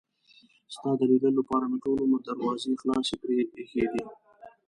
ستا د لیدلو لپاره مې ټول عمر دروازې خلاصې پرې ایښي دي.